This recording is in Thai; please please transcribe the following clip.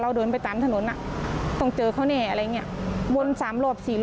เราไปตั้งแต่เมื่อวานค่ะ